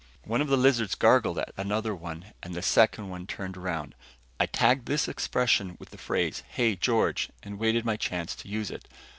One of the lizards gargled at another one and the second one turned around. I tagged this expression with the phrase, "Hey, George!" and waited my chance to use it.